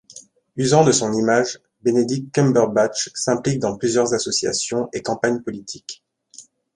Usant de son image, Benedict Cumberbatch s'implique dans plusieurs associations et campagnes politiques.